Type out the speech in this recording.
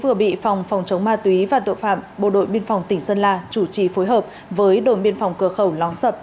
vừa bị phòng phòng chống ma túy và tội phạm bộ đội biên phòng tỉnh sơn la chủ trì phối hợp với đồn biên phòng cửa khẩu lóng sập